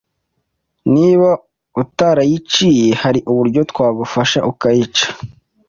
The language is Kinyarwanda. niba utarayiciye hari uburyo twagufasha ukayica